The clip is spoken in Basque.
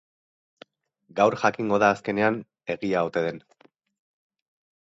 Gaur jakingo da azkenean egia ote den.